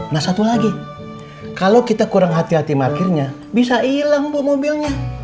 nah satu lagi kalau kita kurang hati hati parkirnya bisa hilang bu mobilnya